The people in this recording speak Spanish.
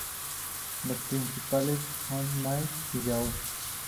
Los principales ―Hotmail y Yahoo!